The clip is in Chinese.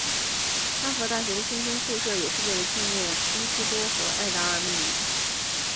哈佛大学的新生宿舍也是为了纪念伊西多和艾达而命名。